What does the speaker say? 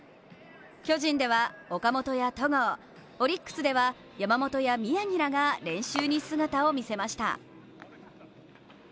巨人では岡本や戸郷、オリックスでは山本や宮城らが練習に姿を見せました。